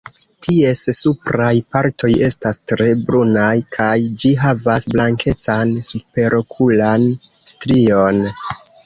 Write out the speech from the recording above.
Ties supraj partoj estas tre brunaj, kaj ĝi havas blankecan superokulan strion.